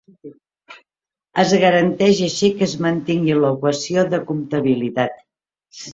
Es garanteix així que es mantingui l'equació de comptabilitat.